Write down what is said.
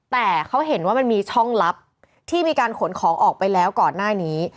แต่เขาเห็นว่ามันมีช่องลับที่มีการขนของออกไปแล้วก่อนหน้านี้